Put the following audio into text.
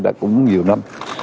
đã cũng nhiều năm